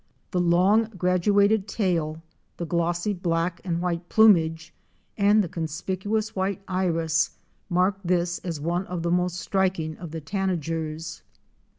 'The long, grad uated tail, the glossy black and white plumage and the con spicuous white iris mark this as one of the most striking of the Tanagers.